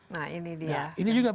nah ini dia ini juga